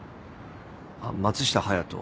あっ松下隼人。